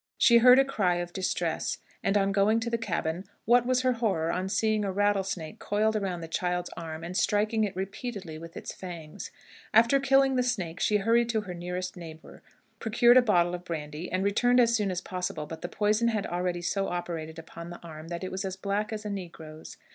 She heard a cry of distress, and, on going to the cabin, what was her horror on seeing a rattlesnake coiled around the child's arm, and striking it repeatedly with its fangs. After killing the snake, she hurried to her nearest neighbor, procured a bottle of brandy, and returned as soon as possible; but the poison had already so operated upon the arm that it was as black as a negro's.